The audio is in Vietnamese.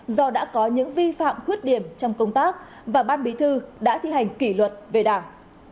do đã có những vi phạm khuyết điểm trong công tác và ban bí thư đã thi hành kỷ luật về đảng